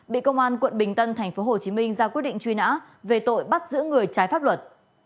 bị công an tp hcm ra quy định truy nã về tội bắt giữ người trái pháp luật